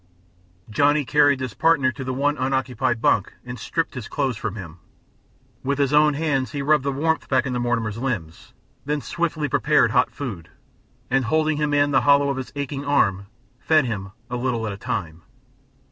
Johnny carried his partner to the one unoccupied bunk and stripped his clothes from him. With his own hands he rubbed the warmth back into Mortimer's limbs, then swiftly prepared hot food, and, holding him in the hollow of his aching arm, fed him, a little at a time.